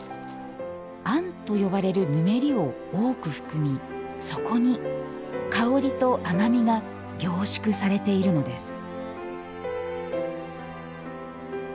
餡と呼ばれるぬめりを多く含みそこに香りと甘みが凝縮されているのです。